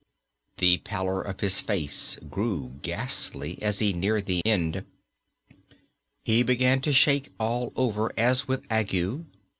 The pallor of his face grew ghastly as he neared the end. He began to shake all over as with ague.